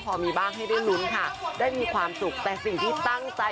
ได้มีความสุขแต่สิ่งที่ตั้งใจจะทำจริงในปีนี้